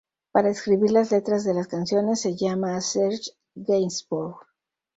Para escribir las letras de las canciones, se llama a Serge Gainsbourg.